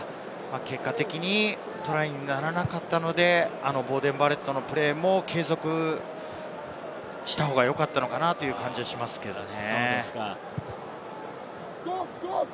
結果的にトライにならなかったので、ボーデン・バレットのプレーも継続した方が良かったのかなという感じがしますけれどね。